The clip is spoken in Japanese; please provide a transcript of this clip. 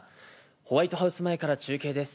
ホワイトハウス前から中継です。